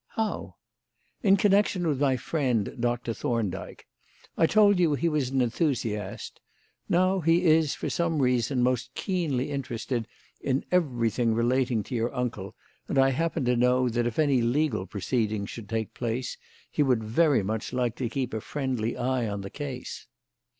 "How?" "In connection with my friend Doctor Thorndyke. I told you he was an enthusiast. Now he is, for some reason, most keenly interested in everything relating to your uncle, and I happen to know that, if any legal proceedings should take place, he would very much like to keep a friendly eye on the case."